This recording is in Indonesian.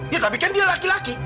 ya tapi kan dia laki laki